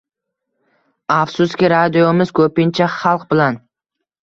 Afsuski, radiomiz ko‘pincha xalq bilan.